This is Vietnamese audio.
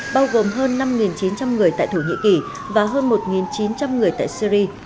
bao gồm hơn năm chín trăm linh người tại thổ nhĩ kỳ và hơn một chín trăm linh người tại syri